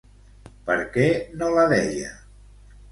Per què no la deia?